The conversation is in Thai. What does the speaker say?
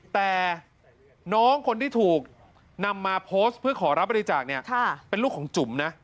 แต่น้องคนที่ถูกนำมาโพสต์เพื่อขอรับบริจาคเนี่ยเป็นลูกของจุ๋มนะ